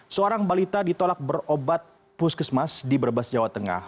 seorang balita ditolak berobat puskesmas di brebes jawa tengah